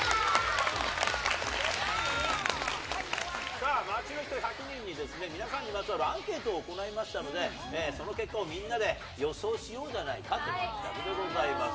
さあ、街の人１００人に、皆さんにまつわるアンケートを行いましたので、その結果をみんなで予想しようじゃないかということでございます。